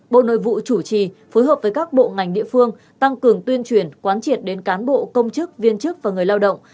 bộ nội vụ chủ trì phối hợp với các bộ ngành địa phương tăng cường tuyên truyền quán triệt đến cán bộ công chức viên chức và người lao động